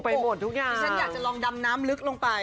ฉันอยากจะลองดำน้ำลึกลงไป